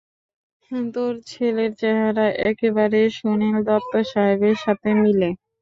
তোর ছেলের চেহারা, একেবারে সুনিল দত্ত সাহেবের সাথে মিলে!